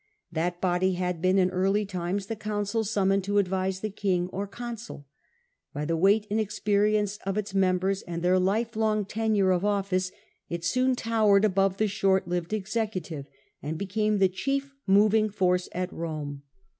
That body had been ^ in early times the council summoned to advise the king or consul. By the weight and experience of its members, and their lifelong tenure of office, it soon towered above the shortlived executive, and became the chief moving force at Rome.